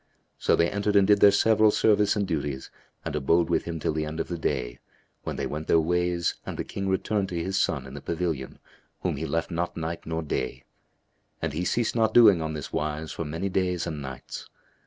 So they entered and did their several service and duties and abode with him till the end of the day, when they went their ways and the King returned to his son in the pavilion whom he left not night nor day; and he ceased not doing on this wise for many days and nights.